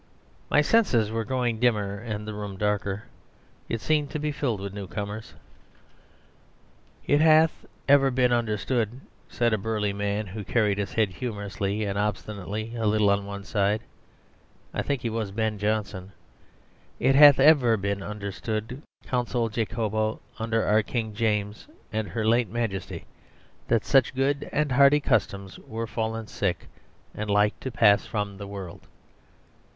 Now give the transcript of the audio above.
My senses were growing dimmer and the room darker. It seemed to be filled with newcomers. "It hath ever been understood," said a burly man, who carried his head humorously and obstinately a little on one side I think he was Ben Jonson "It hath ever been understood, consule Jacobo, under our King James and her late Majesty, that such good and hearty customs were fallen sick, and like to pass from the world.